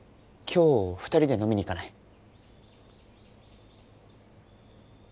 今日２人で飲みに行かない？